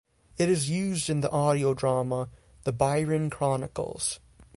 It is used in the audio drama, "The Byron Chronicles".